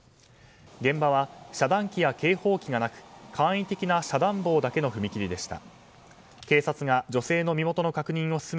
現場は、遮断機や警報機がなく簡易的な遮断棒だけの踏切でした。